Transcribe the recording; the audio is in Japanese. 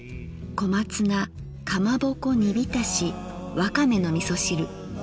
小松菜かまぼこ煮浸しわかめのみそ汁。